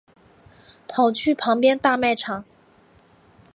跑去旁边大卖场